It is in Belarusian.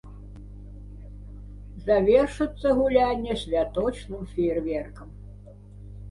Завершыцца гулянне святочным феерверкам.